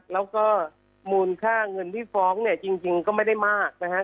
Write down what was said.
แล้วก็มูลค่าเงินที่ฟ้องเนี่ยจริงก็ไม่ได้มากนะฮะ